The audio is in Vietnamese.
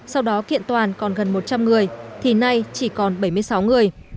sau đó kiện toàn còn gần một trăm linh người thì nay chỉ còn bảy mươi sáu người